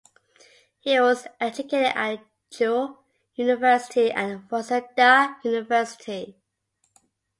He was educated at Chuo University and Waseda University.